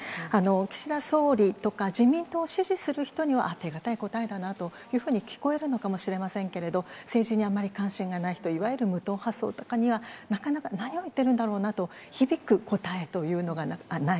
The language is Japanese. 岸田総理とか、自民党を支持する人には手堅い答えだなというふうに聞こえるのかもしれませんけれど、政治にあんまり関心がない、いわゆる無党派層とかには、なかなか、何を言ってるんだろうなと、響く答えというのがない。